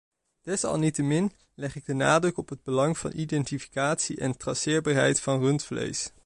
Desalniettemin leg ik de nadruk op het belang van identificatie en traceerbaarheid van rundvlees.